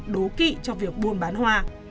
đố kị cho việc buôn bán hoa